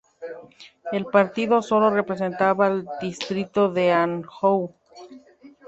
El partido sólo representaba al distrito de Anjou.